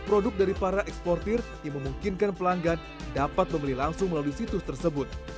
produk dari para eksportir yang memungkinkan pelanggan dapat membeli langsung melalui situs tersebut